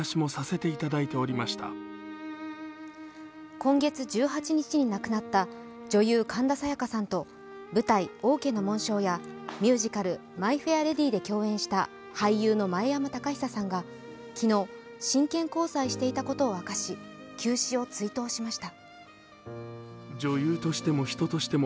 今月１８日に亡くなった女優・神田沙也加さんと舞台「王家の紋章」やミュージカル「マイ・フェア・レディ」で共演した俳優の前山剛久さんが昨日真剣交際していたことを明かし、急死を追悼しました。